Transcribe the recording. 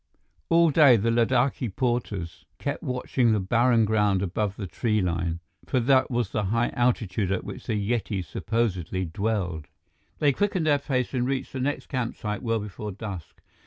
All day the Ladakhi porters kept watching the barren ground above the tree line, for that was the high altitude at which the Yeti supposedly dwelled. They quickened their pace and reached the next campsite well before dusk.